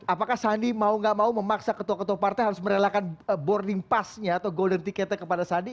apakah sandi mau gak mau memaksa ketua ketua partai harus merelakan boarding passnya atau golden ticketnya kepada sandi